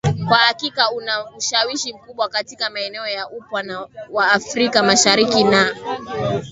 kwa hakika una ushawishi mkubwa katika maeneo ya upwa wa Afrika Mashariki na